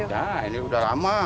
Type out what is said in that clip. udah ini udah lama